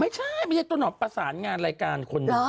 ไม่ใช่ไม่ใช่ต้นหอมประสานงานรายการคุณ